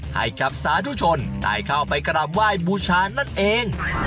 ให้กรรมสาธุชนได้เข้าไปกระด่ามว่ายบูชานั่นเอง